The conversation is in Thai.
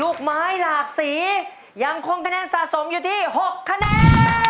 ลูกไม้หลากสียังคงคะแนนสะสมอยู่ที่๖คะแนน